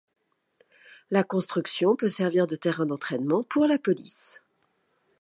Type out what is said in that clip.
La construction peut servir de terrain d'entrainement pour la police.